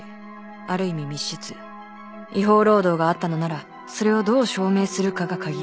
ある意味密室違法労働があったのならそれをどう証明するかが鍵